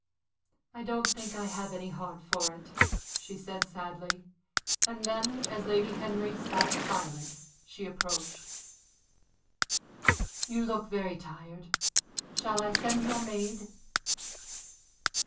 "I don't think I have any heart for it," she said, sadly; and then, as Lady Henry sat silent, she approached. "You look very tired. Shall I send your maid?"